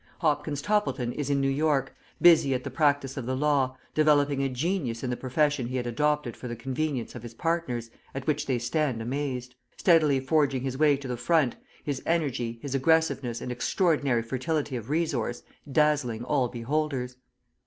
Hopkins Toppleton is in New York, busy at the practice of the law, developing a genius in the profession he had adopted for the convenience of his partners at which they stand amazed; steadily forging his way to the front, his energy, his aggressiveness, and extraordinary fertility of resource dazzling all beholders.